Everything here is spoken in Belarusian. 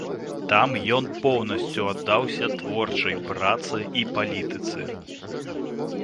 Там ён поўнасцю аддаўся творчай працы і палітыцы.